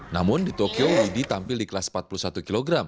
namun di tokyo widi tampil di kelas empat puluh satu kg